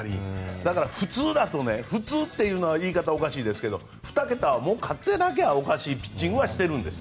だから、普通だと普通という言い方はおかしいですが２桁はもう勝ってなきゃおかしいピッチングはしてるんです。